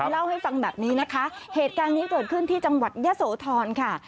เล่าให้ฟังแบบนี้นะคะเหตุการณ์นี้เกิดขึ้นที่จังหวัดยะโสธรค่ะ